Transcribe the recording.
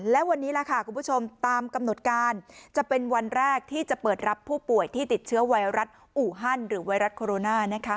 และวันนี้ล่ะค่ะคุณผู้ชมตามกำหนดการจะเป็นวันแรกที่จะเปิดรับผู้ป่วยที่ติดเชื้อไวรัสอูฮันหรือไวรัสโคโรนา